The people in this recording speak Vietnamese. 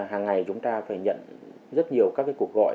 hàng ngày chúng ta phải nhận rất nhiều các cuộc gọi